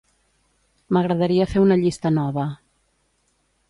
M'agradaria fer una llista nova.